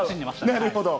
なるほど。